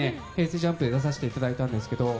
ＪＵＭＰで出させていただいたんですけど。